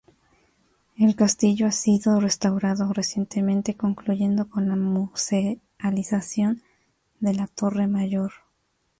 El castillo ha sido restaurado recientemente concluyendo con la musealización de la Torre Mayor.